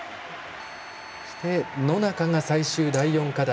そして野中が最終、第４課題。